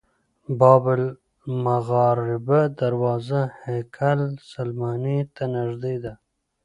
باب المغاربه دروازه هیکل سلیماني ته نږدې ده.